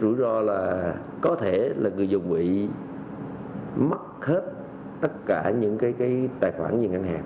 rủi ro là có thể là người dùng bị mất hết tất cả những cái tài khoản về ngân hàng